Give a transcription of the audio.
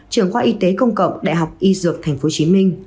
trường khoa y tế công cộng đại học y dược tp hcm